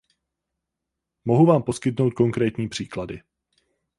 Mohu vám poskytnout konkrétní příklady.